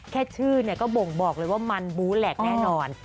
แค่ชื่อเนี่ยก็บ่งบอกเลยว่ามันบู้แหลกแน่นอน